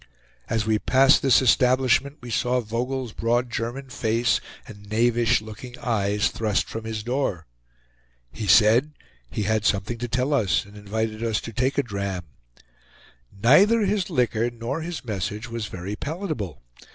As we passed this establishment, we saw Vogel's broad German face and knavish looking eyes thrust from his door. He said he had something to tell us, and invited us to take a dram. Neither his liquor nor his message was very palatable.